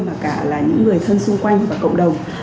mà cả là những người thân xung quanh và cộng đồng